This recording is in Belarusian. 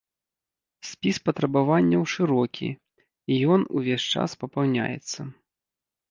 Спіс патрабаванняў шырокі, і ён увесь час папаўняецца.